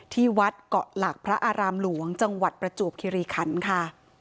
ที่วัดเกาะหลักพระอารามหลวงจังหวัดประจวบคิริคันค่ะ